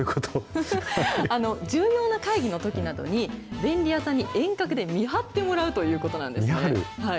重要な会議のときなどに、便利屋さんに遠隔で見張ってもらうということなんですね。